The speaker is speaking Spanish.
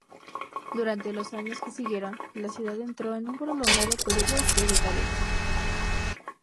Durante los años que siguieron, la ciudad entró en un prolongado período de decadencia.